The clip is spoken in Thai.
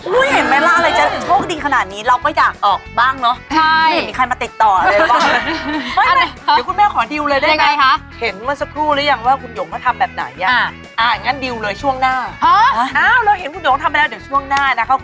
เห็นไหมล่ะอะไรจะโชคดีขนาดนี้เราก็อยากออกบ้างเนอะ